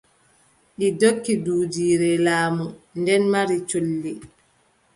Ɗi ndokki duujiire laamu, nden mari colli.